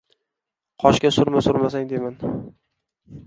Qoshga surma surmasang deyman